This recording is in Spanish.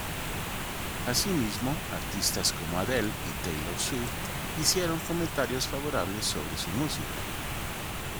Asimismo, artistas como Adele y Taylor Swift hicieron comentarios favorables sobre su música.